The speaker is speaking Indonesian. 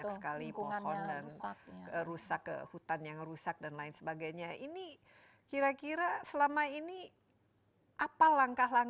semester ke dua tahun dua ribu dua puluh satu belum terlihat